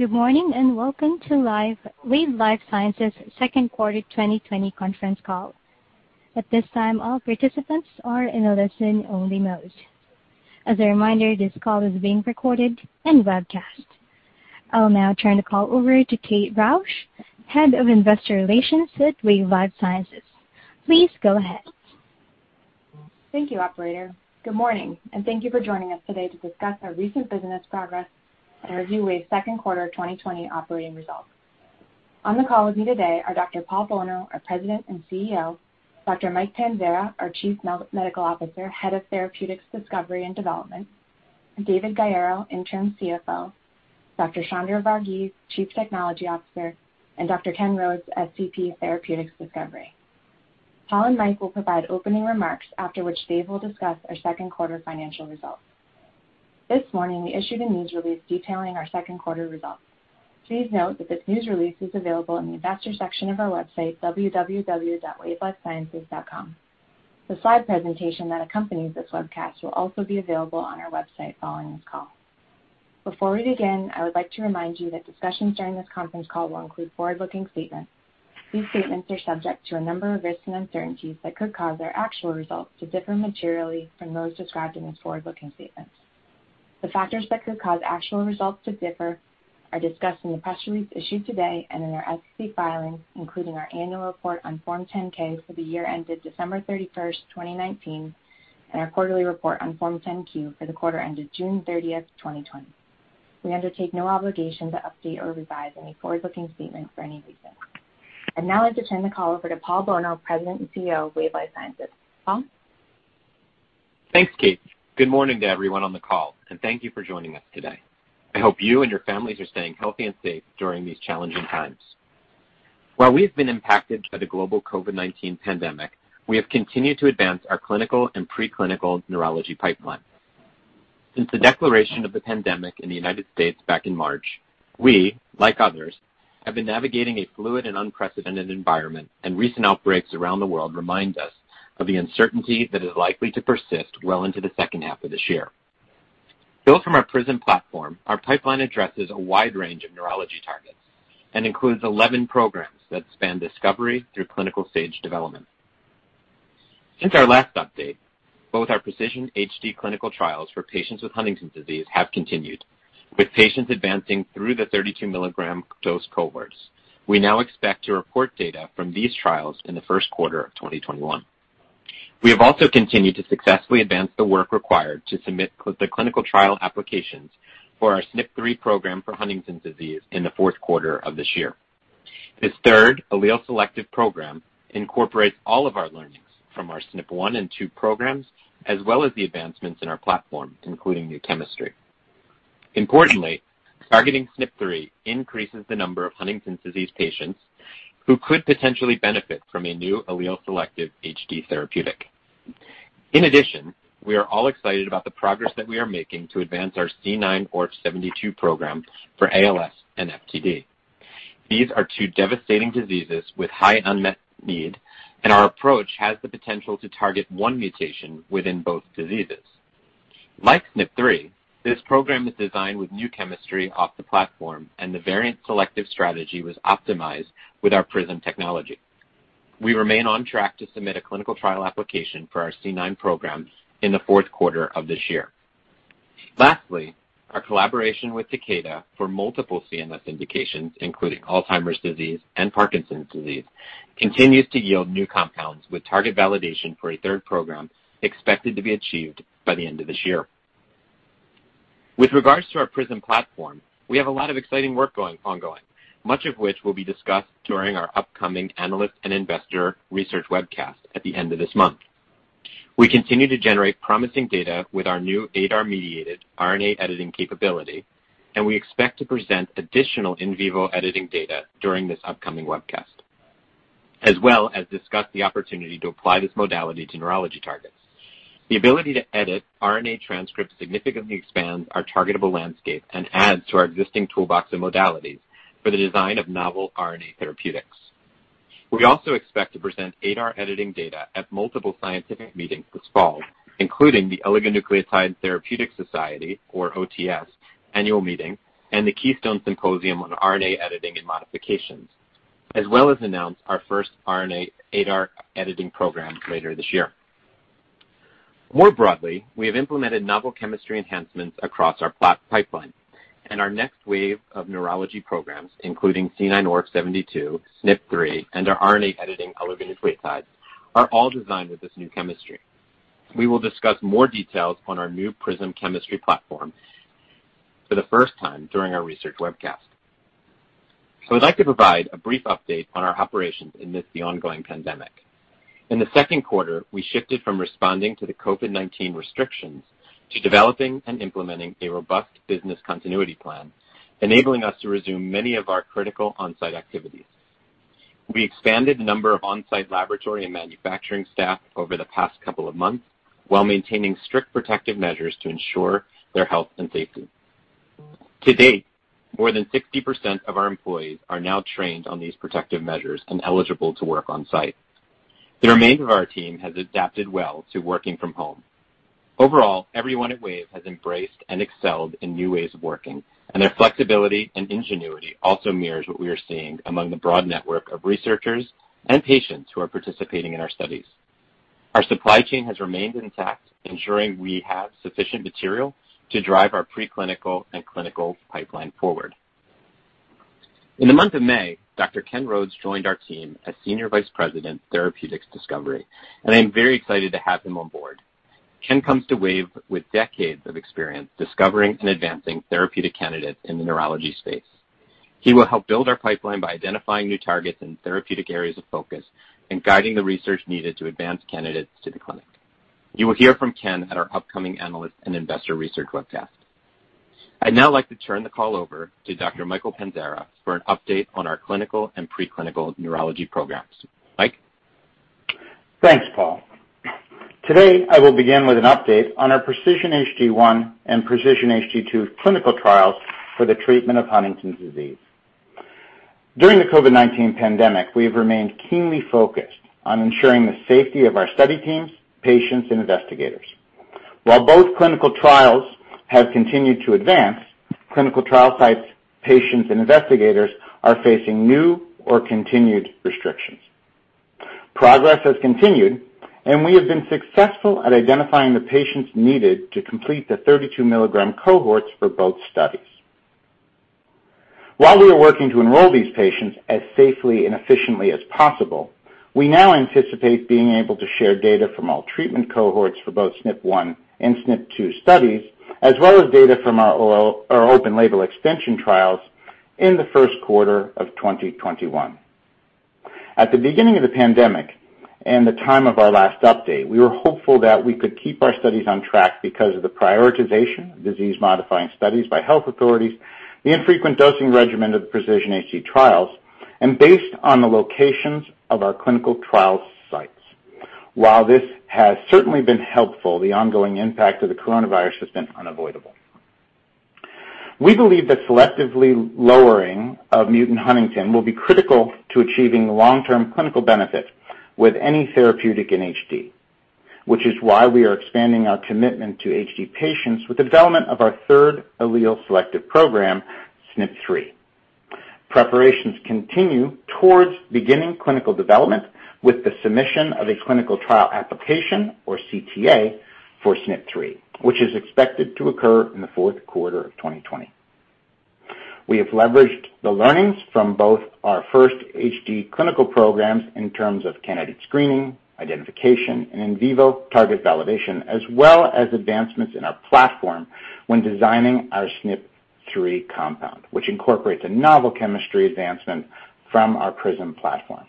Good morning, and welcome to Wave Life Sciences' Second Quarter 2020 Conference Call. At this time, all participants are in a listen-only mode. As a reminder, this call is being recorded and webcast. I will now turn the call over to Kate Rausch, Head of Investor Relations at Wave Life Sciences. Please go ahead. Thank you, Operator. Good morning, and thank you for joining us today to discuss our recent business progress and review Wave's Second Quarter 2020 Operating Results. On the call with me today are Dr. Paul Bolno, our President and CEO; Dr. Mike Panzara, our Chief Medical Officer, Head of Therapeutics, Discovery and Development; David Gaiero, Interim CFO; Dr. Chandra Vargeese, Chief Technology Officer; and Dr. Ken Rhodes, SVP, Therapeutics Discovery. Paul and Mike will provide opening remarks, after which Dave will discuss our second quarter financial results. This morning, we issued a news release detailing our second quarter results. Please note that this news release is available in the investor section of our website, www.wavelifesciences.com. The slide presentation that accompanies this webcast will also be available on our website following this call. Before we begin, I would like to remind you that discussions during this conference call will include forward-looking statements. These statements are subject to a number of risks and uncertainties that could cause our actual results to differ materially from those described in these forward-looking statements. The factors that could cause actual results to differ are discussed in the press release issued today and in our SEC filings, including our annual report on Form 10-K for the year ended December 31st, 2019, and our quarterly report on Form 10-Q for the quarter ended June 30th, 2020. We undertake no obligation to update or revise any forward-looking statements for any reason. I'd now like to turn the call over to Paul Bolno, President and CEO of Wave Life Sciences. Paul? Thanks, Kate. Good morning to everyone on the call, and thank you for joining us today. I hope you and your families are staying healthy and safe during these challenging times. While we've been impacted by the global COVID-19 pandemic, we have continued to advance our clinical and pre-clinical neurology pipeline. Since the declaration of the pandemic in the U.S. back in March, we, like others, have been navigating a fluid and unprecedented environment, and recent outbreaks around the world remind us of the uncertainty that is likely to persist well into the second half of this year. Built from our PRISM platform, our pipeline addresses a wide range of neurology targets and includes 11 programs that span discovery through clinical stage development. Since our last update, both our PRECISION-HD clinical trials for patients with Huntington's disease have continued, with patients advancing through the 32 mg dose cohorts. We now expect to report data from these trials in the first quarter of 2021. We have also continued to successfully advance the work required to submit the clinical trial applications for our SNP3 program for Huntington's disease in the fourth quarter of this year. This third allele selective program incorporates all of our learnings from our SNP1 and SNP2 programs, as well as the advancements in our platform, including new chemistry. Importantly, targeting SNP3 increases the number of Huntington's disease patients who could potentially benefit from a new allele-selective HD therapeutic. In addition, we are all excited about the progress that we are making to advance our C9orf72 program for ALS and FTD. These are two devastating diseases with high unmet need, and our approach has the potential to target one mutation within both diseases. Like SNP3, this program is designed with new chemistry off the platform, and the variant selective strategy was optimized with our PRISM technology. We remain on track to submit a clinical trial application for our C9 program in the fourth quarter of this year. Lastly, our collaboration with Takeda for multiple CNS indications, including Alzheimer's disease and Parkinson's disease, continues to yield new compounds with target validation for a third program expected to be achieved by the end of this year. With regards to our PRISM platform, we have a lot of exciting work ongoing, much of which will be discussed during our upcoming analyst and investor research webcast at the end of this month. We continue to generate promising data with our new ADAR-mediated RNA editing capability, and we expect to present additional in vivo editing data during this upcoming webcast, as well as discuss the opportunity to apply this modality to neurology targets. The ability to edit RNA transcripts significantly expands our targetable landscape and adds to our existing toolbox and modalities for the design of novel RNA therapeutics. We also expect to present ADAR editing data at multiple scientific meetings this fall, including the Oligonucleotide Therapeutics Society, or OTS, annual meeting and the Keystone Symposia on RNA Editing and Modifications, as well as announce our first RNA ADAR editing program later this year. More broadly, we have implemented novel chemistry enhancements across our pipeline, and our next wave of neurology programs, including C9orf72, SNP3, and our RNA editing oligonucleotides, are all designed with this new chemistry. We will discuss more details on our new PRISM chemistry platform for the first time during our research webcast. I'd like to provide a brief update on our operations amidst the ongoing pandemic. In the second quarter, we shifted from responding to the COVID-19 restrictions to developing and implementing a robust business continuity plan, enabling us to resume many of our critical on-site activities. We expanded the number of on-site laboratory and manufacturing staff over the past couple of months while maintaining strict protective measures to ensure their health and safety. To date, more than 60% of our employees are now trained on these protective measures and eligible to work on-site. The remainder of our team has adapted well to working from home. Overall, everyone at Wave has embraced and excelled in new ways of working. Their flexibility and ingenuity also mirrors what we are seeing among the broad network of researchers and patients who are participating in our studies. Our supply chain has remained intact, ensuring we have sufficient material to drive our preclinical and clinical pipeline forward. In the month of May, Dr. Ken Rhodes joined our team as Senior Vice President, Therapeutics Discovery. I am very excited to have him on board. Ken comes to Wave with decades of experience discovering and advancing therapeutic candidates in the neurology space. He will help build our pipeline by identifying new targets and therapeutic areas of focus and guiding the research needed to advance candidates to the clinic. You will hear from Ken at our upcoming analyst and investor research webcast. I'd now like to turn the call over to Dr. Michael Panzara for an update on our clinical and pre-clinical neurology programs. Mike? Thanks, Paul. Today, I will begin with an update on our PRECISION-HD1 and PRECISION-HD2 clinical trials for the treatment of Huntington's disease. During the COVID-19 pandemic, we have remained keenly focused on ensuring the safety of our study teams, patients, and investigators. While both clinical trials have continued to advance, clinical trial sites, patients, and investigators are facing new or continued restrictions. Progress has continued. We have been successful at identifying the patients needed to complete the 32 mg cohorts for both studies. While we are working to enroll these patients as safely and efficiently as possible, we now anticipate being able to share data from all treatment cohorts for both SNP1 and SNP2 studies, as well as data from our open label extension trials in the first quarter of 2021. At the beginning of the pandemic and the time of our last update, we were hopeful that we could keep our studies on track because of the prioritization of disease-modifying studies by health authorities, the infrequent dosing regimen of the PRECISION-HD trials, and based on the locations of our clinical trial sites. While this has certainly been helpful, the ongoing impact of the coronavirus has been unavoidable. We believe that selectively lowering of mutant huntingtin will be critical to achieving long-term clinical benefit with any therapeutic in HD, which is why we are expanding our commitment to HD patients with the development of our third allele selective program, SNP3. Preparations continue towards beginning clinical development with the submission of a clinical trial application, or CTA, for SNP3, which is expected to occur in the fourth quarter of 2020. We have leveraged the learnings from both our first HD clinical programs in terms of candidate screening, identification, and in vivo target validation, as well as advancements in our platform when designing our SNP3 compound, which incorporates a novel chemistry advancement from our PRISM platform.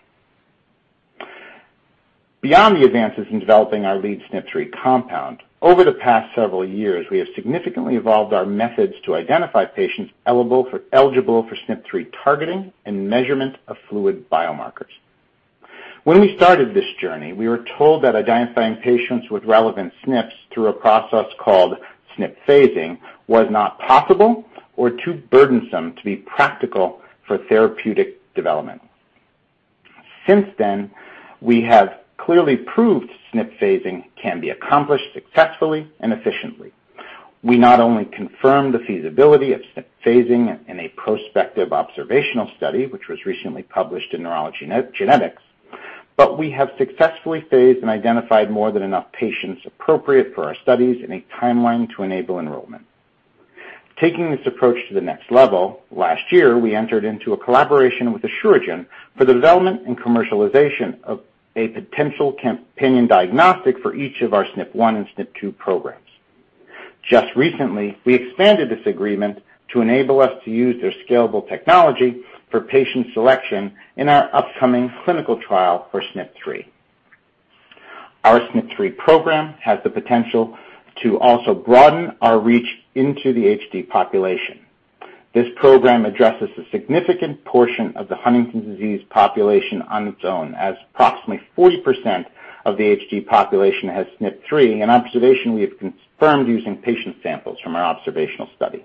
Beyond the advances in developing our lead SNP3 compound, over the past several years, we have significantly evolved our methods to identify patients eligible for SNP3 targeting and measurement of fluid biomarkers. When we started this journey, we were told that identifying patients with relevant SNPs through a process called SNP phasing was not possible or too burdensome to be practical for therapeutic development. Since then, we have clearly proved SNP phasing can be accomplished successfully and efficiently. We not only confirm the feasibility of SNP phasing in a prospective observational study, which was recently published in Neurology: Genetics, but we have successfully phased and identified more than enough patients appropriate for our studies in a timeline to enable enrollment. Taking this approach to the next level, last year, we entered into a collaboration with Asuragen for the development and commercialization of a potential companion diagnostic for each of our SNP1 and SNP2 programs. Just recently, we expanded this agreement to enable us to use their scalable technology for patient selection in our upcoming clinical trial for SNP3. Our SNP3 program has the potential to also broaden our reach into the HD population. This program addresses a significant portion of the Huntington's disease population on its own, as approximately 40% of the HD population has SNP3, an observation we have confirmed using patient samples from our observational study.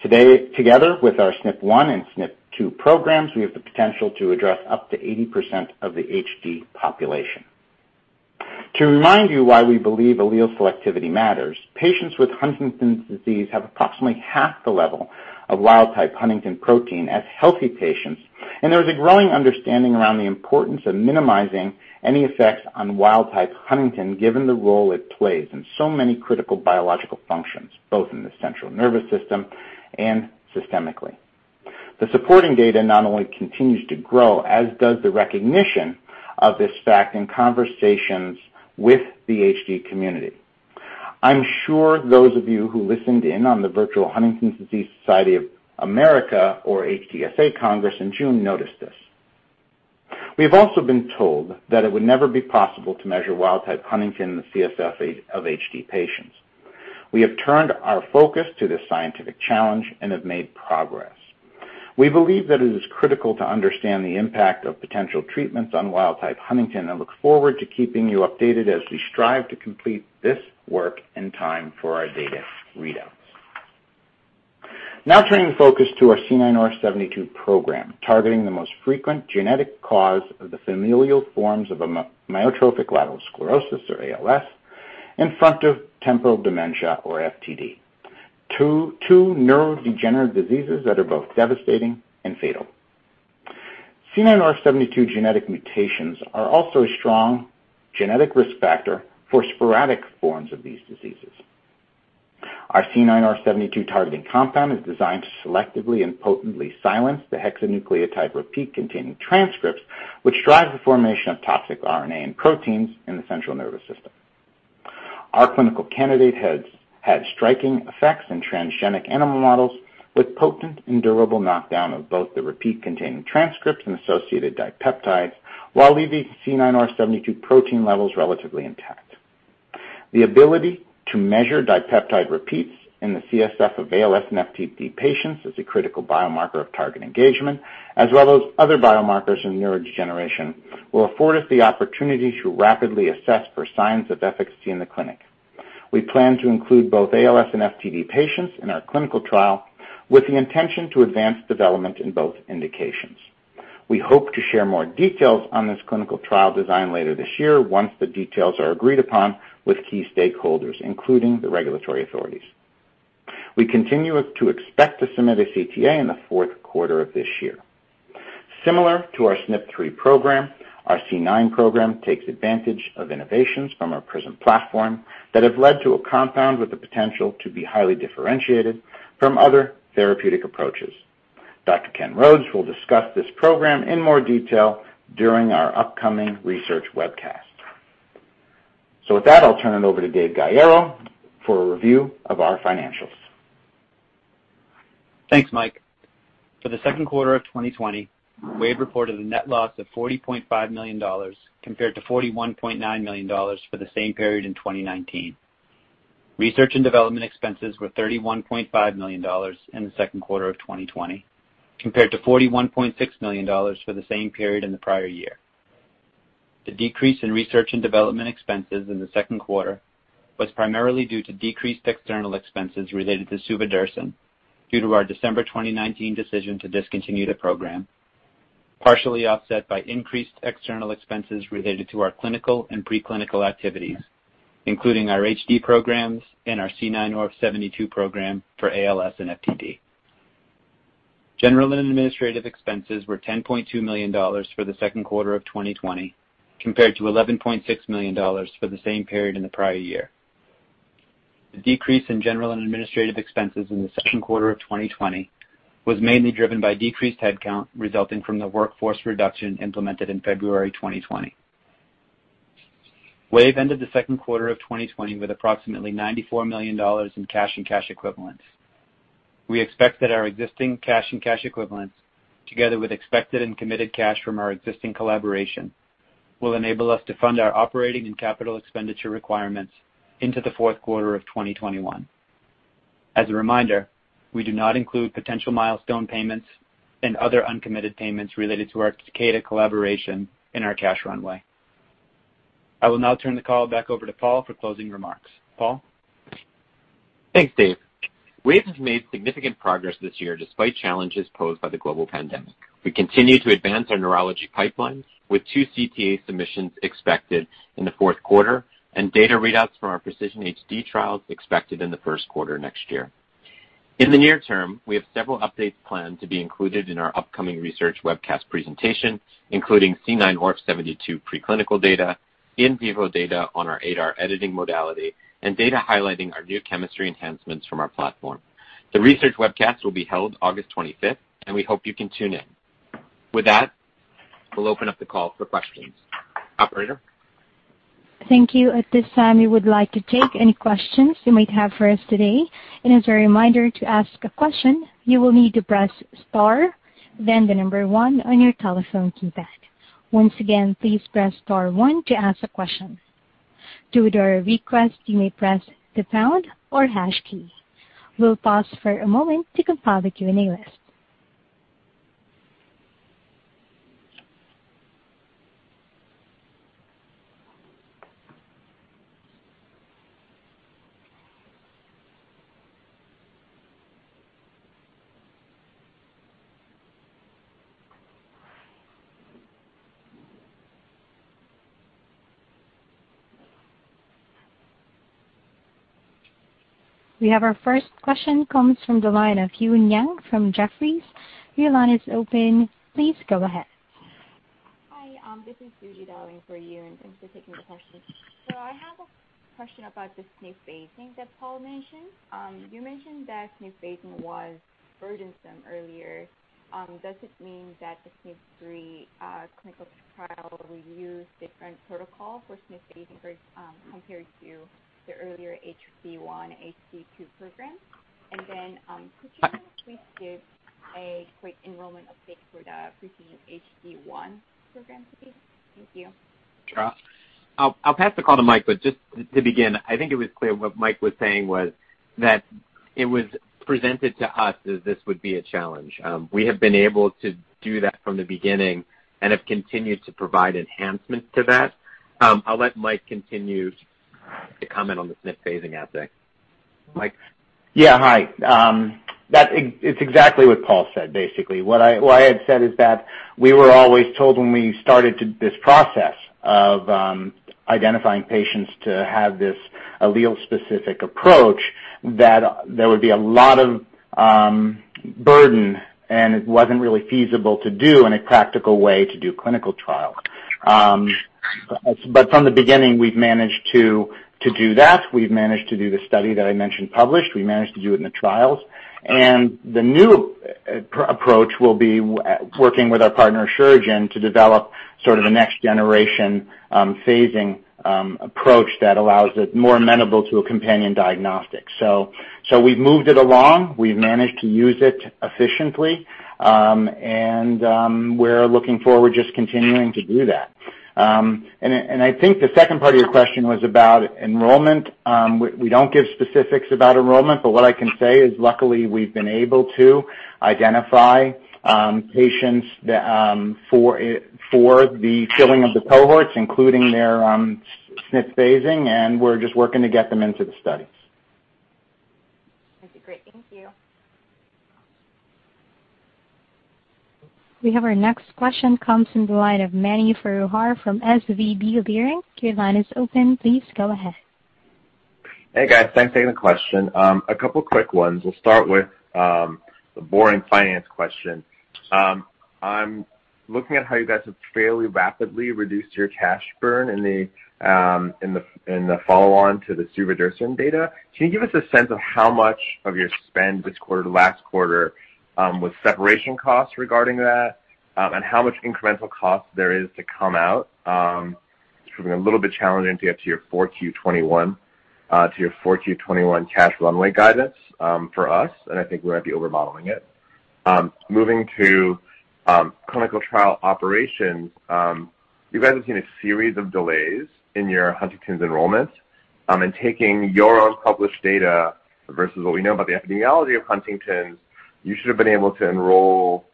Today, together with our SNP1 and SNP2 programs, we have the potential to address up to 80% of the HD population. To remind you why we believe allele selectivity matters, patients with Huntington's disease have approximately half the level of wild type huntingtin protein as healthy patients. There is a growing understanding around the importance of minimizing any effects on wild type huntingtin, given the role it plays in so many critical biological functions, both in the central nervous system and systemically. The supporting data not only continues to grow, as does the recognition of this fact in conversations with the HD community. I'm sure those of you who listened in on the virtual Huntington's Disease Society of America or HDSA Congress in June noticed this. We have also been told that it would never be possible to measure wild type huntingtin in the CSF of HD patients. We have turned our focus to this scientific challenge and have made progress. We believe that it is critical to understand the impact of potential treatments on wild type huntingtin and look forward to keeping you updated as we strive to complete this work in time for our data readouts. Turning the focus to our C9orf72 program, targeting the most frequent genetic cause of the familial forms of Amyotrophic Lateral Sclerosis, or ALS, and Frontotemporal Dementia, or FTD, two neurodegenerative diseases that are both devastating and fatal. C9orf72 genetic mutations are also a strong genetic risk factor for sporadic forms of these diseases. Our C9orf72-targeting compound is designed to selectively and potently silence the hexanucleotide repeat-containing transcripts, which drive the formation of toxic RNA and proteins in the central nervous system. Our clinical candidate had striking effects in transgenic animal models with potent and durable knockdown of both the repeat-containing transcripts and associated dipeptides, while leaving C9orf72 protein levels relatively intact. The ability to measure dipeptide repeats in the CSF of ALS and FTD patients is a critical biomarker of target engagement, as well as other biomarkers in neurodegeneration, will afford us the opportunity to rapidly assess for signs of efficacy in the clinic. We plan to include both ALS and FTD patients in our clinical trial, with the intention to advance development in both indications. We hope to share more details on this clinical trial design later this year once the details are agreed upon with key stakeholders, including the regulatory authorities. We continue to expect to submit a CTA in the fourth quarter of this year. Similar to our SNP3 program, our C9 program takes advantage of innovations from our PRISM platform that have led to a compound with the potential to be highly differentiated from other therapeutic approaches. Dr. Ken Rhodes will discuss this program in more detail during our upcoming research webcast. With that, I'll turn it over to David Gaiero for a review of our financials. Thanks, Mike. For the second quarter of 2020, Wave reported a net loss of $40.5 million compared to $41.9 million for the same period in 2019. Research and development expenses were $31.5 million in the second quarter of 2020, compared to $41.6 million for the same period in the prior year. The decrease in Research and development expenses in the second quarter was primarily due to decreased external expenses related to suvodirsen due to our December 2019 decision to discontinue the program, partially offset by increased external expenses related to our clinical and pre-clinical activities, including our HD programs and our C9orf72 program for ALS and FTD. General and administrative expenses were $10.2 million for the second quarter of 2020 compared to $11.6 million for the same period in the prior year. The decrease in general and administrative expenses in the second quarter of 2020 was mainly driven by decreased headcount resulting from the workforce reduction implemented in February 2020. Wave ended the second quarter of 2020 with approximately $94 million in cash and cash equivalents. We expect that our existing cash and cash equivalents, together with expected and committed cash from our existing collaboration, will enable us to fund our operating and capital expenditure requirements into the fourth quarter of 2021. As a reminder, we do not include potential milestone payments and other uncommitted payments related to our Takeda collaboration in our cash runway. I will now turn the call back over to Paul for closing remarks. Paul? Thanks, Dave. Wave has made significant progress this year despite challenges posed by the global pandemic. We continue to advance our neurology pipeline with two CTA submissions expected in the fourth quarter and data readouts from our PRECISION-HD trials expected in the first quarter next year. In the near term, we have several updates planned to be included in our upcoming research webcast presentation, including C9orf72 preclinical data, in vivo data on our ADAR editing modality, and data highlighting our new chemistry enhancements from our platform. The research webcast will be held August 25th. We hope you can tune in. With that, we'll open up the call for questions. Operator? Thank you. At this time, we would like to take any questions you might have for us today. As a reminder, to ask a question, you will need to press star, then the number one on your telephone keypad. Once again, please press star one to ask a question. To withdraw a request, you may press the pound or hash key. We'll pause for a moment to compile the Q&A list. We have our first question, comes from the line of Eun Yang from Jefferies. Your line is open. Please go ahead. Hi, this is Suji dialing for Yoon. Thanks for taking the question. I have a question about the SNP phasing that Paul mentioned. You mentioned that SNP phasing was burdensome earlier. Does it mean that the SNP3 clinical trial will use different protocol for SNP phasing compared to the earlier HD1, HD2 programs? Could you please give a quick enrollment update for the PRECISION-HD1 program, please? Thank you. Sure. I'll pass the call to Mike. Just to begin, I think it was clear what Mike was saying was that it was presented to us as this would be a challenge. We have been able to do that from the beginning and have continued to provide enhancements to that. I'll let Mike continue. To comment on the SNP phasing aspect. Mike? Yeah, hi. It's exactly what Paul said, basically. What I had said is that we were always told when we started this process of identifying patients to have this allele-specific approach, that there would be a lot of burden, and it wasn't really feasible to do in a practical way to do clinical trials. From the beginning, we've managed to do that. We've managed to do the study that I mentioned published. We managed to do it in the trials. The new approach will be working with our partner, Asuragen, to develop sort of a next generation phasing approach that allows it more amenable to a companion diagnostic. We've moved it along. We've managed to use it efficiently. We're looking forward just continuing to do that. I think the second part of your question was about enrollment. What I can say is, luckily, we've been able to identify patients for the filling of the cohorts, including their SNP phasing, and we're just working to get them into the studies. That's great. Thank you. We have our next question comes from the line of Mani Foroohar from SVB Leerink. Your line is open. Please go ahead. Hey, guys. Thanks for taking the question. A couple quick ones. We'll start with the boring finance question. I'm looking at how you guys have fairly rapidly reduced your cash burn in the follow-on to the suvodirsen data. Can you give us a sense of how much of your spend this quarter to last quarter was separation costs regarding that? How much incremental cost there is to come out? It's proving a little bit challenging to get to your 4Q 2021 cash runway guidance for us. I think we might be over-modeling it. Moving to clinical trial operations. You guys have seen a series of delays in your Huntington's enrollment. In taking your own published data versus what we know about the epidemiology of Huntington's, you should have been able to enroll,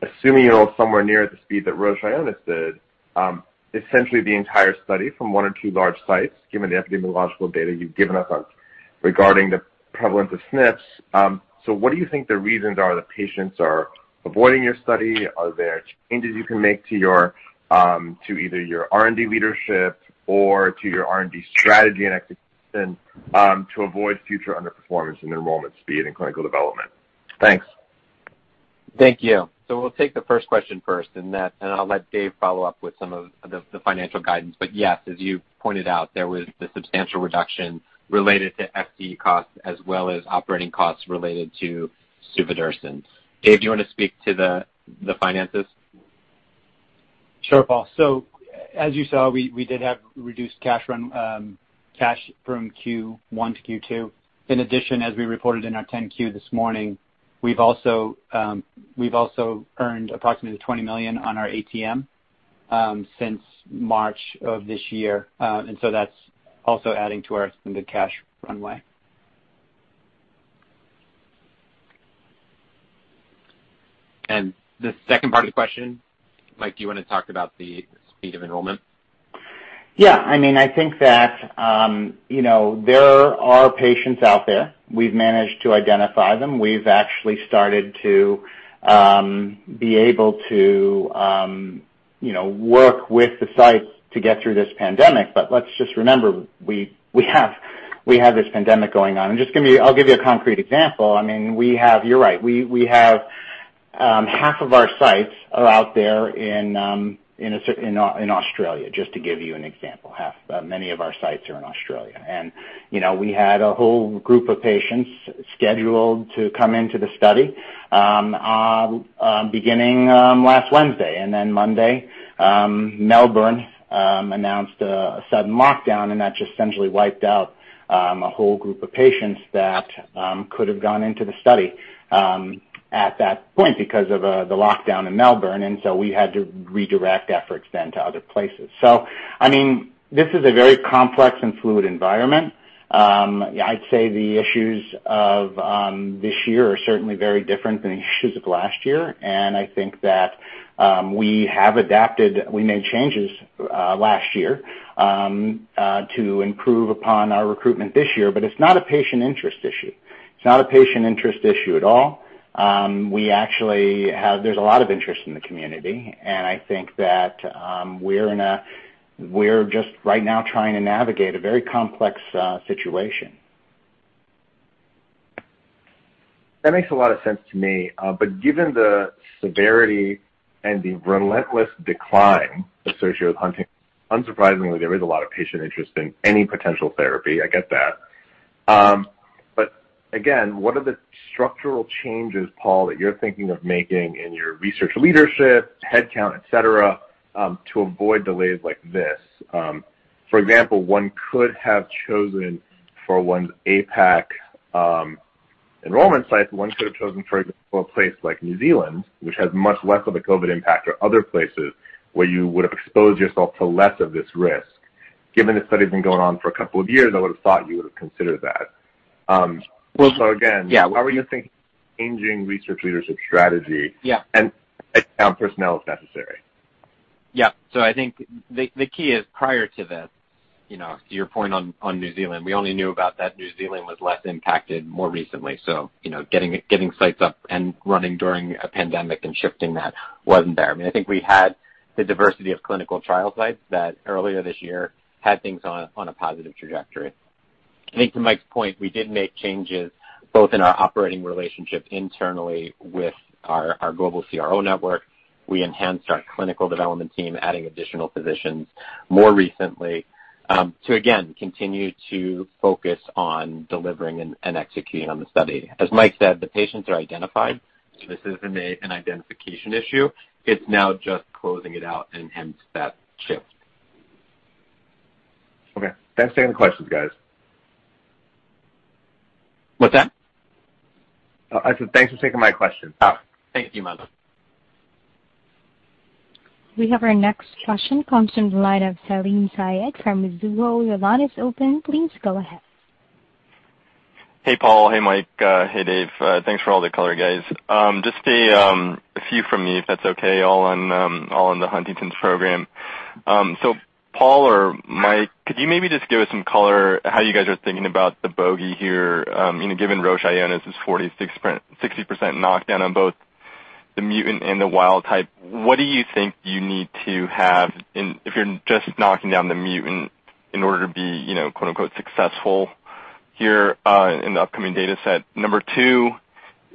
assuming you're somewhere near the speed that Roche/Ionis did, essentially the entire study from one or two large sites, given the epidemiological data you've given us regarding the prevalence of SNPs. What do you think the reasons are that patients are avoiding your study? Are there changes you can make to either your R&D leadership or to your R&D strategy and execution to avoid future underperformance in enrollment speed and clinical development? Thanks. Thank you. We'll take the first question first, and I'll let Dave follow up with some of the financial guidance. Yes, as you pointed out, there was the substantial reduction related to R&D costs as well as operating costs related to suvodirsen. Dave, do you want to speak to the finances? Sure, Paul. As you saw, we did have reduced cash from Q1-Q2. In addition, as we reported in our 10-Q this morning, we've also earned approximately $20 million on our ATM since March of this year. That's also adding to our extended cash runway. The second part of the question, Mike, do you want to talk about the speed of enrollment? Yeah. I think that there are patients out there. We've managed to identify them. We've actually started to be able to work with the sites to get through this pandemic. Let's just remember, we have this pandemic going on. I'll give you a concrete example. You're right. We have half of our sites are out there in Australia, just to give you an example. Many of our sites are in Australia. We had a whole group of patients scheduled to come into the study beginning last Wednesday. Monday, Melbourne announced a sudden lockdown, and that just essentially wiped out a whole group of patients that could have gone into the study at that point because of the lockdown in Melbourne. We had to redirect efforts then to other places. This is a very complex and fluid environment. I'd say the issues of this year are certainly very different than the issues of last year, and I think that we have adapted. We made changes last year to improve upon our recruitment this year. It's not a patient interest issue. It's not a patient interest issue at all. There's a lot of interest in the community, and I think that we're just right now trying to navigate a very complex situation. That makes a lot of sense to me. Given the severity and the relentless decline associated with Huntington's, unsurprisingly, there is a lot of patient interest in any potential therapy. I get that. Again, what are the structural changes, Paul, that you're thinking of making in your research leadership, headcount, et cetera, to avoid delays like this? For example, one could have chosen for one's APAC enrollment sites, one could have chosen, for example, a place like New Zealand, which has much less of a COVID-19 impact, or other places where you would have exposed yourself to less of this risk. Given the study's been going on for a couple of years, I would have thought you would have considered that. Well- So again- Yeah. Why were you thinking changing research leadership strategy? Yeah. Headcount personnel if necessary? Yeah. I think the key is prior to this, to your point on New Zealand, we only knew about that New Zealand was less impacted more recently. Getting sites up and running during a pandemic and shifting that wasn't there. I think we had the diversity of clinical trial sites that earlier this year had things on a positive trajectory. I think to Mike's point, we did make changes both in our operating relationship internally with our global CRO network. We enhanced our clinical development team, adding additional physicians more recently, to again, continue to focus on delivering and executing on the study. As Mike said, the patients are identified. This isn't an identification issue. It's now just closing it out and hence that shift. Okay. Thanks for taking the questions, guys. What's that? I said thanks for taking my question. Oh, thank you, Mani. We have our next question comes from the line of Salim Syed from Mizuho. Your line is open. Please go ahead. Hey, Paul. Hey, Mike. Hey, Dave. Thanks for all the color, guys. Just a few from me, if that's okay, all on the Huntington's program. Paul or Mike, could you maybe just give us some color how you guys are thinking about the bogey here, given Roche Ionis is 46%-60% knockdown on both the mutant and the wild type? What do you think you need to have if you're just knocking down the mutant in order to be "successful" here in the upcoming data set? Number two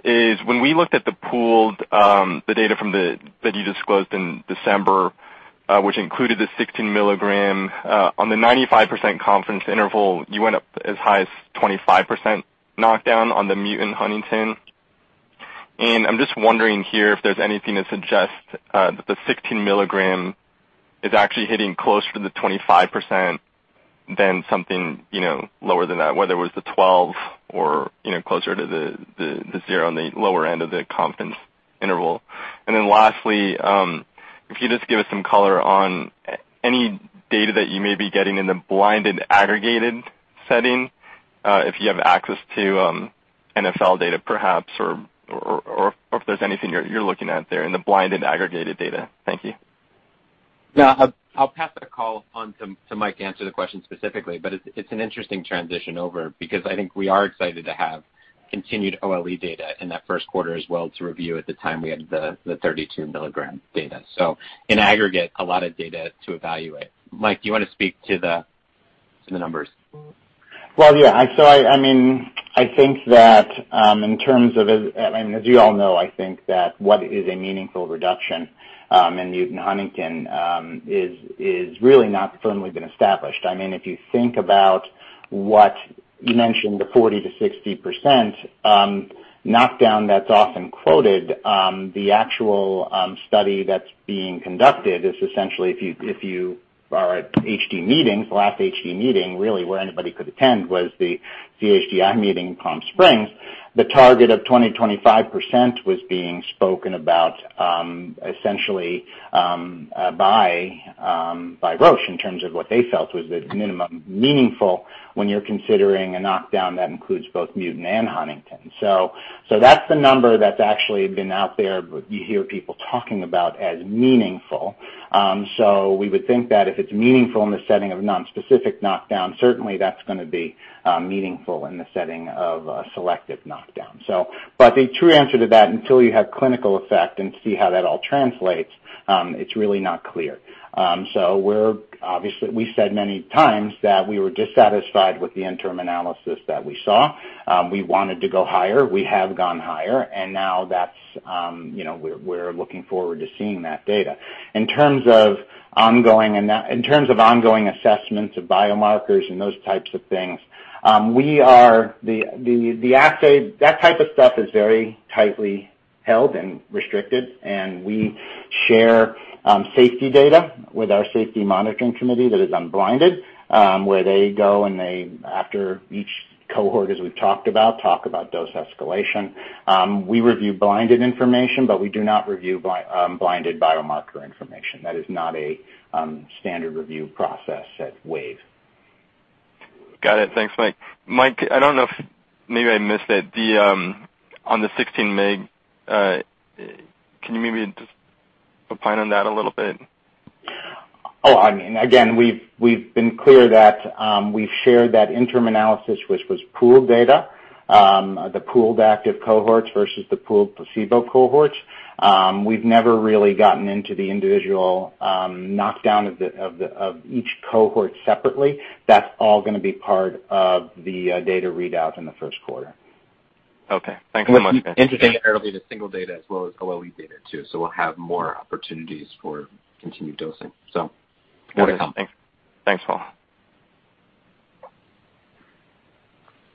is when we looked at the pooled data from that you disclosed in December, which included the 16 mg. On the 95% confidence interval, you went up as high as 25% knockdown on the mutant huntingtin. I'm just wondering here if there's anything that suggests that the 16 mg is actually hitting closer to the 25% than something lower than that, whether it was the 12% or closer to the 0% on the lower end of the confidence interval. Lastly, if you just give us some color on any data that you may be getting in the blinded, aggregated setting, if you have access to NfL data perhaps or if there's anything you're looking at there in the blinded, aggregated data. Thank you. Yeah. I'll pass that call on to Mike to answer the question specifically, but it's an interesting transition over because I think we are excited to have continued OLE data in that first quarter as well to review at the time we had the 32 mg data. In aggregate, a lot of data to evaluate. Mike, do you want to speak to the numbers? Well, yeah. As you all know, I think that what is a meaningful reduction in mutant huntingtin is really not firmly been established. If you think about what you mentioned, the 40%-60% knockdown that's often quoted, the actual study that's being conducted is essentially if you are at HD meetings, the last HD meeting really where anybody could attend was the CHDI meeting in Palm Springs. The target of 20%, 25% was being spoken about essentially by Roche in terms of what they felt was the minimum meaningful when you're considering a knockdown that includes both mutant and huntingtin. That's the number that's actually been out there, you hear people talking about as meaningful. We would think that if it's meaningful in the setting of nonspecific knockdown, certainly that's going to be meaningful in the setting of a selective knockdown. The true answer to that, until you have clinical effect and see how that all translates, it's really not clear. Obviously we said many times that we were dissatisfied with the interim analysis that we saw. We wanted to go higher. We have gone higher, and now we're looking forward to seeing that data. In terms of ongoing assessments of biomarkers and those types of things, that type of stuff is very tightly held and restricted, and we share safety data with our safety monitoring committee that is unblinded where they go and after each cohort, as we've talked about, talk about dose escalation. We review blinded information, but we do not review blinded biomarker information. That is not a standard review process at Wave. Got it. Thanks, Mike. Mike, I don't know if maybe I missed it. On the 16 mg, can you maybe just opine on that a little bit? Again, we've been clear that we've shared that interim analysis, which was pooled data, the pooled active cohorts versus the pooled placebo cohorts. We've never really gotten into the individual knockdown of each cohort separately. That's all going to be part of the data readout in the first quarter. Okay. Thanks so much, Mike. Interestingly, it'll be the single data as well as OLE data too. We'll have more opportunities for continued dosing. That is coming. Thanks, Paul.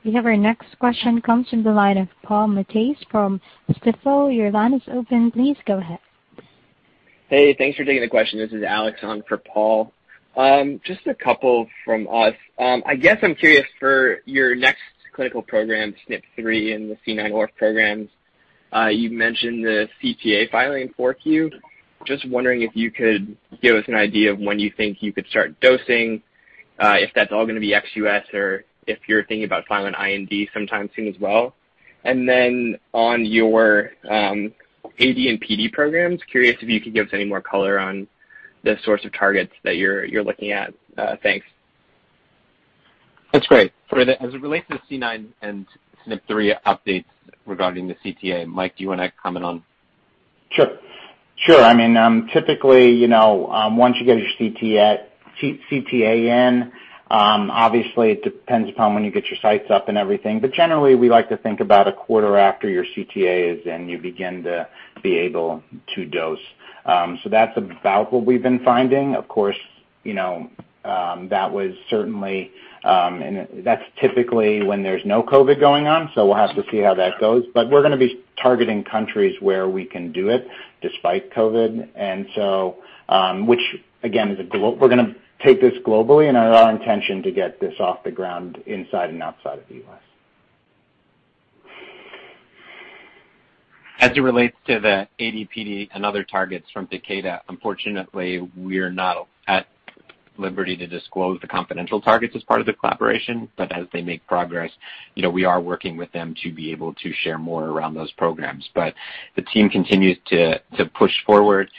We have our next question comes from the line of Paul Matteis from Stifel. Your line is open. Please go ahead. Hey, thanks for taking the question. This is Alex on for Paul. Just a couple from us. I guess I'm curious for your next clinical program, SNP3 in the C9orf programs. You mentioned the CTA filing in 4Q. Just wondering if you could give us an idea of when you think you could start dosing if that's all going to be ex-U.S. or if you're thinking about filing IND sometime soon as well. On your AD and PD programs, curious if you could give us any more color on the sorts of targets that you're looking at. Thanks. That's great. As it relates to the C9 and SNP3 updates regarding the CTA, Mike, do you want to comment on? Sure. Typically, once you get your CTA in, obviously, it depends upon when you get your sites up and everything. Generally, we like to think about a quarter after your CTA is in, you begin to be able to dose. That's about what we've been finding. Of course, that's typically when there's no COVID going on. We'll have to see how that goes. We're going to be targeting countries where we can do it despite COVID. Which, again, we're going to take this globally, and our intention to get this off the ground inside and outside of the U.S. As it relates to the AD, PD, and other targets from Takeda, unfortunately, we're not at liberty to disclose the confidential targets as part of the collaboration. As they make progress, we are working with them to be able to share more around those programs. The team continues to push forward.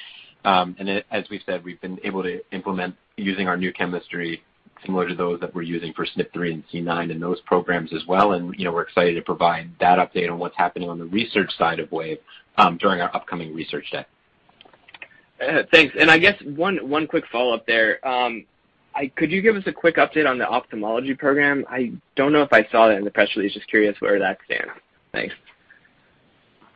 As we've said, we've been able to implement using our new chemistry similar to those that we're using for SNP3 and C9 and those programs as well, and we're excited to provide that update on what's happening on the research side of Wave during our upcoming research day. Thanks. I guess one quick follow-up there. Could you give us a quick update on the ophthalmology program? I don't know if I saw that in the press release. Just curious where that stands.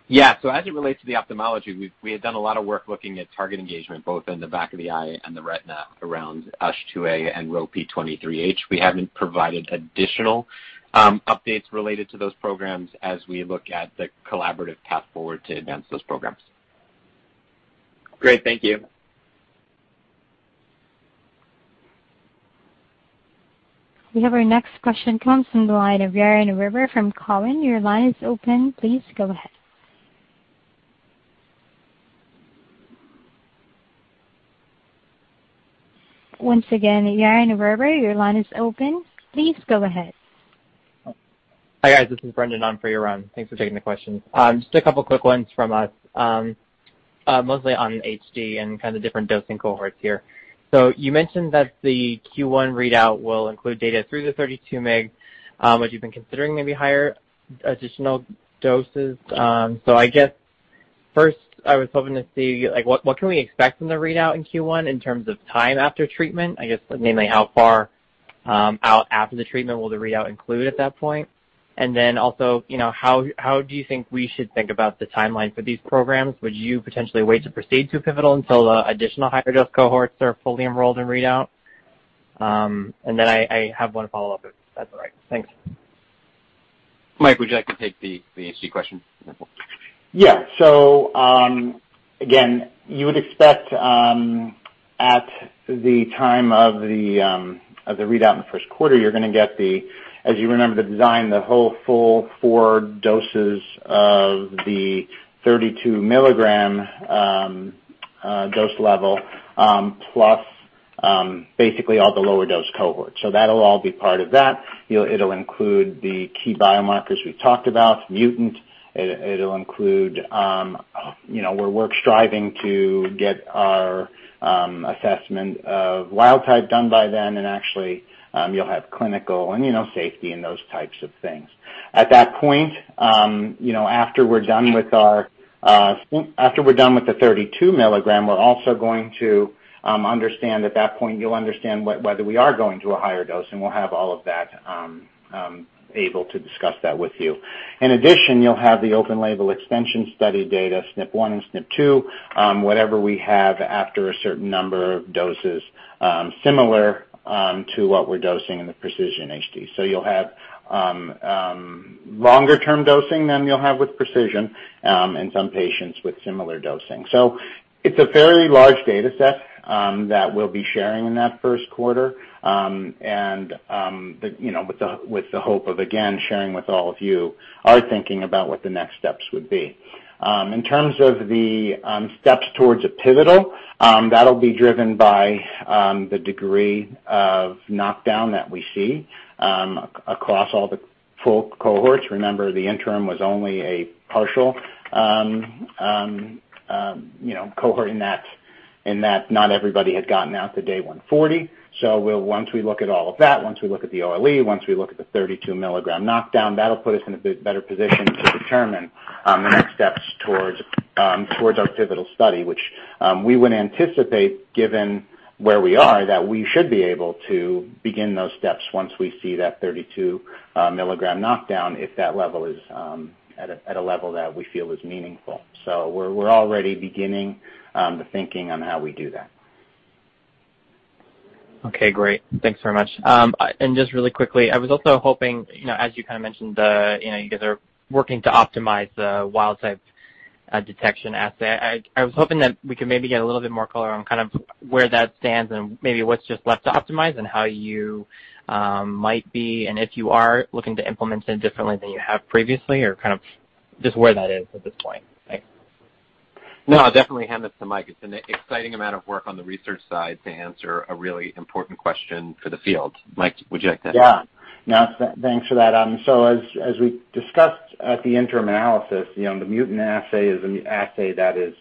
Thanks. Yeah. As it relates to the ophthalmology, we had done a lot of work looking at target engagement, both in the back of the eye and the retina around USH2A and RHO P23H. We haven't provided additional updates related to those programs as we look at the collaborative path forward to advance those programs. Great. Thank you. We have our next question comes from the line of Yaron Werber from Cowen. Your line is open. Please go ahead. Once again, Yaron Werber, your line is open. Please go ahead. Hi, guys. This is Brendan on for Yaron. Thanks for taking the questions. Just a couple of quick ones from us, mostly on HD and kind of different dosing cohorts here. You mentioned that the Q1 readout will include data through the 32 mg, would you been considering maybe higher additional doses. I guess first I was hoping to see what can we expect from the readout in Q1 in terms of time after treatment, I guess namely how far out after the treatment will the readout include at that point? Also, how do you think we should think about the timeline for these programs? Would you potentially wait to proceed to pivotal until the additional higher dose cohorts are fully enrolled in readout? I have one follow-up, if that's all right. Thanks. Mike, would you like to take the HD question? Yeah. Again, you would expect at the time of the readout in the first quarter, you're going to get the, as you remember, the design, the whole full four doses of the 32 mg dose level, plus basically all the lower dose cohorts. That'll all be part of that. It'll include the key biomarkers we talked about, mutant. It'll include where we're striving to get our assessment of wild type done by then, and actually, you'll have clinical and safety and those types of things. At that point, after we're done with the 32 mg, we're also going to understand at that point, you'll understand whether we are going to a higher dose, and we'll have all of that, able to discuss that with you. In addition, you'll have the open-label extension study data, SNP1 and SNP2, whatever we have after a certain number of doses, similar to what we're dosing in the PRECISION-HD. You'll have longer term dosing than you'll have with Precision, and some patients with similar dosing. It's a very large data set that we'll be sharing in that first quarter, and with the hope of, again, sharing with all of you our thinking about what the next steps would be. In terms of the steps towards a pivotal, that'll be driven by the degree of knockdown that we see across all the full cohorts. Remember, the interim was only a partial cohort in that not everybody had gotten out to day 140. Once we look at all of that, once we look at the OLE, once we look at the 32 mg knockdown, that'll put us in a better position to determine the next steps towards our pivotal study. Which we would anticipate, given where we are, that we should be able to begin those steps once we see that 32 mg knockdown if that level is at a level that we feel is meaningful. We're already beginning the thinking on how we do that. Okay, great. Thanks very much. Just really quickly, I was also hoping, as you kind of mentioned, you guys are working to optimize the wild type detection assay. I was hoping that we could maybe get a little bit more color on where that stands and maybe what's just left to optimize and how you might be, and if you are looking to implement it differently than you have previously, or kind of just where that is at this point. Thanks. I'll definitely hand this to Mike. It's an exciting amount of work on the research side to answer a really important question for the field. Mike, would you like to? Yeah. Thanks for that. As we discussed at the interim analysis, the mutant assay is an assay that is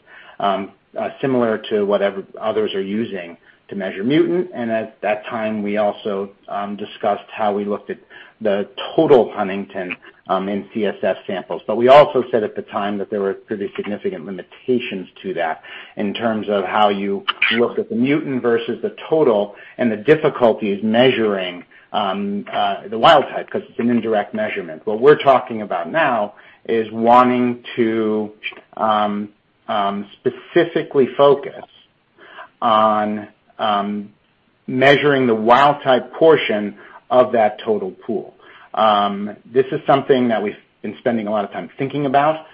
similar to what others are using to measure mutant. At that time, we also discussed how we looked at the total huntingtin in CSF samples. We also said at the time that there were pretty significant limitations to that in terms of how you looked at the mutant versus the total and the difficulties measuring the wild type because it's an indirect measurement. What we're talking about now is wanting to specifically focus on measuring the wild type portion of that total pool. This is something that we've been spending a lot of time thinking about.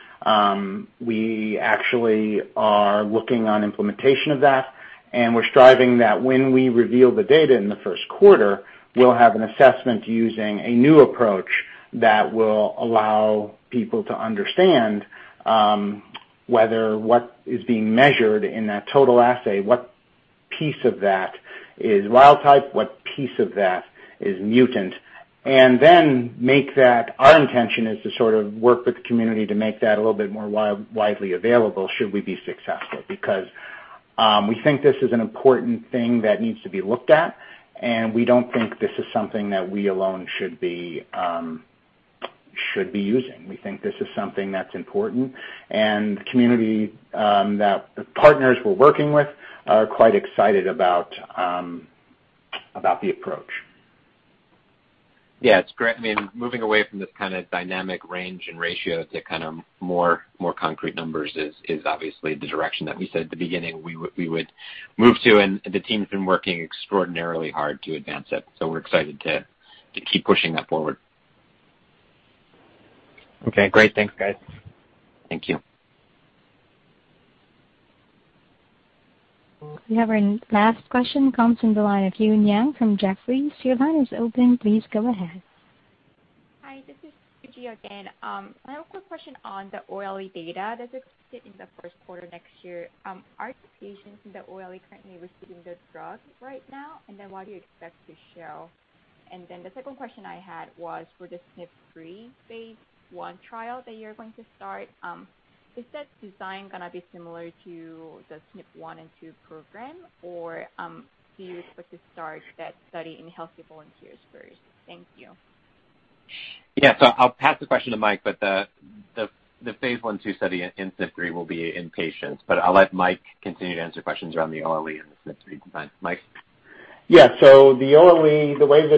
We actually are working on implementation of that, and we're striving that when we reveal the data in the first quarter, we'll have an assessment using a new approach that will allow people to understand whether what is being measured in that total assay, what piece of that is wild type, what piece of that is mutant. Our intention is to sort of work with the community to make that a little bit more widely available should we be successful. We think this is an important thing that needs to be looked at, and we don't think this is something that we alone should be using. We think this is something that's important, and the partners we're working with are quite excited about the approach. Yeah, it's great. Moving away from this kind of dynamic range and ratio to more concrete numbers is obviously the direction that we said at the beginning we would move to, and the team's been working extraordinarily hard to advance it. We're excited to keep pushing that forward. Okay, great. Thanks, guys. Thank you. We have our last question, comes from the line of Eun Yang from Jefferies. Your line is open. Please go ahead. Hi, this is Suji again. I have a quick question on the OLE data that's expected in the first quarter next year. Are the patients in the OLE currently receiving the drug right now? What do you expect to show? The second question I had was for the SNP3 phase I trial that you're going to start. Is that design going to be similar to the SNP1 and 2 program? Do you expect to start that study in healthy volunteers first? Thank you. Yeah. I'll pass the question to Mike, but the phase I/II study in SNP3 will be in patients. I'll let Mike continue to answer questions around the OLE and the SNP3 design. Mike? Yeah. The OLE, everybody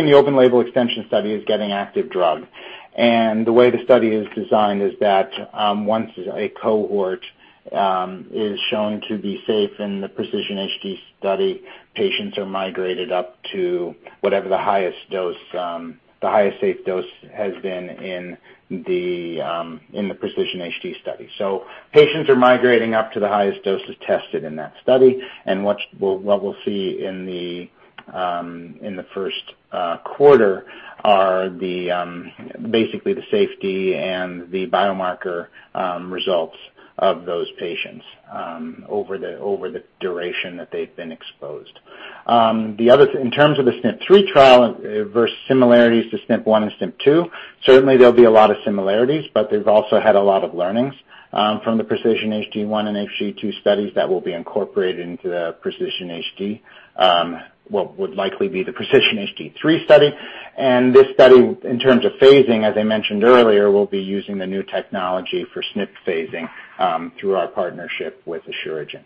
in the open label extension study is getting active drug. The way the study is designed is that once a cohort is shown to be safe in the PRECISION-HD study, patients are migrated up to whatever the highest safe dose has been in the PRECISION-HD study. Patients are migrating up to the highest doses tested in that study. What we'll see in the first quarter are basically the safety and the biomarker results of those patients over the duration that they've been exposed. In terms of the SNP3 trial versus similarities to SNP1 and SNP2, certainly there'll be a lot of similarities. They've also had a lot of learnings from the PRECISION-HD1 and PRECISION-HD2 studies that will be incorporated into what would likely be the WVE-003 study. This study, in terms of phasing, as I mentioned earlier, will be using the new technology for SNP phasing through our partnership with Asuragen.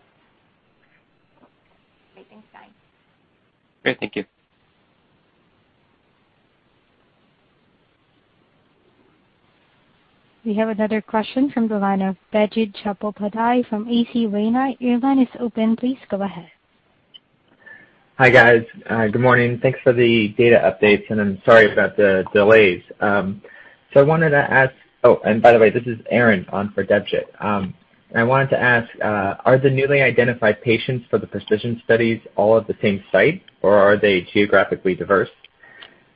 Okay. Great. Thanks, guys. Great. Thank you. We have another question from the line of Debjit Chattopadhyay from H.C. Wainwright. Your line is open. Please go ahead. Hi, guys. Good morning. Thanks for the data updates. I'm sorry about the delays. Oh, and by the way, this is Aaron on for Debjit. I wanted to ask, are the newly identified patients for the PRECISION studies all at the same site, or are they geographically diverse?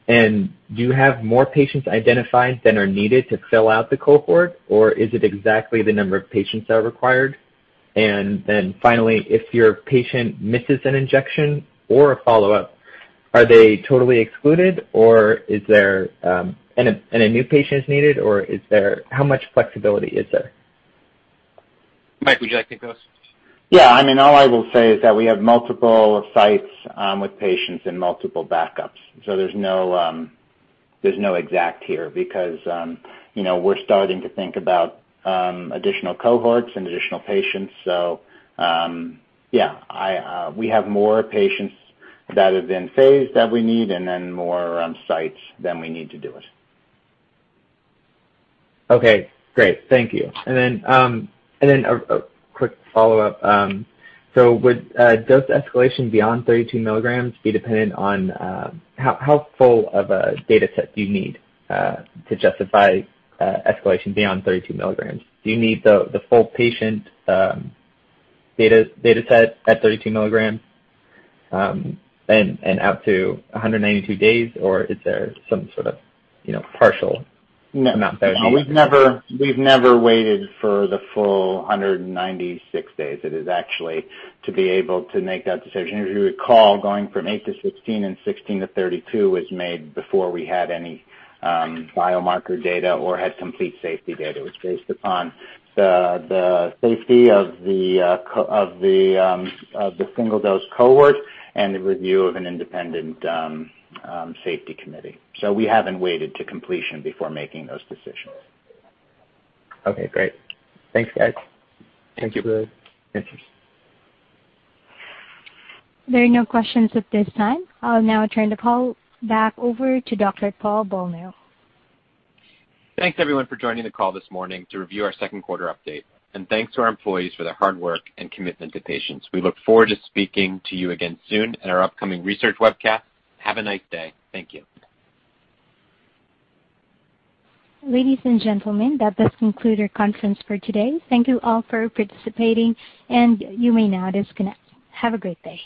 Do you have more patients identified than are needed to fill out the cohort, or is it exactly the number of patients that are required? Finally, if your patient misses an injection or a follow-up, are they totally excluded and a new patient is needed, or how much flexibility is there? Mike, would you like to take those? Yeah. All I will say is that we have multiple sites with patients and multiple backups. There's no exact here because we're starting to think about additional cohorts and additional patients. Yeah, we have more patients that have been phased that we need and then more sites than we need to do it. Okay, great. Thank you. A quick follow-up. Would dose escalation beyond 32 mg be dependent on how full of a data set do you need to justify escalation beyond 32 mg? Do you need the full patient data set at 32 mg and out to 192 days? Is there some sort of partial amount there? No, we've never waited for the full 196 days. It is actually to be able to make that decision. If you recall, going from 8 mg to 16 mg and 16 mg to 32 mg was made before we had any biomarker data or had complete safety data. It was based upon the safety of the single-dose cohort and the review of an independent safety committee. We haven't waited to completion before making those decisions. Okay, great. Thanks, guys. Thank you. Thank you. There are no questions at this time. I'll now turn the call back over to Dr. Paul Bolno. Thanks, everyone, for joining the call this morning to review our second quarter update. Thanks to our employees for their hard work and commitment to patients. We look forward to speaking to you again soon at our upcoming research webcast. Have a nice day. Thank you. Ladies and gentlemen, that does conclude our conference for today. Thank you all for participating. You may now disconnect. Have a great day.